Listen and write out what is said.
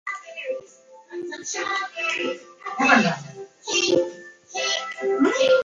நாயகம் அவர்கள், அலீ அவர்களை அழைத்து சமாதான உடன்படிக்கையை எழுதும்படிக் கட்டளை இட்டார்கள்.